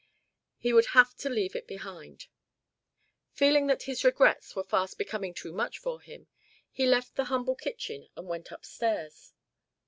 He would have to leave it behind. Feeling that his regrets were fast becoming too much for him, he left the humble kitchen and went up stairs.